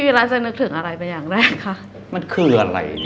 อ่ะใช้สิทธิ์บอกไปอย่างไงพี่ไป